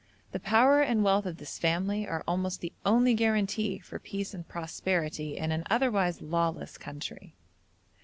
The power and wealth of this family are almost the only guarantee for peace and prosperity in an otherwise lawless country.